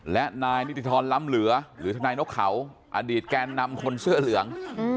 และนายนิติธรรมล้ำเหลือหรือทนายนกเขาอดีตแกนนำคนเสื้อเหลือง